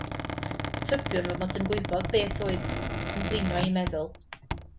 Tybiwn fyd mod yn gwybod pa beth oedd yn blino ei meddwl.